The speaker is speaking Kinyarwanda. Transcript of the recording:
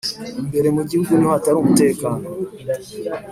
Imbere mu Gihugu niho hatarumutekano.